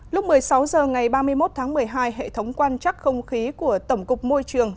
lúc một mươi sáu h ngày ba mươi một tháng một mươi hai hệ thống quan chắc không khí của tổng cục môi trường